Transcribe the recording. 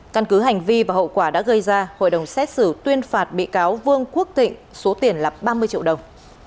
căn cứ hành vi và hậu quả đã gây ra hội đồng xét xử tuyên phạt bị cáo vương quốc thịnh số tiền là ba mươi triệu đồng